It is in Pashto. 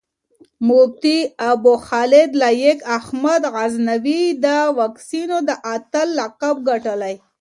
مفتي ابوخالد لائق احمد غزنوي د واکسينو د اتَل لقب ګټلی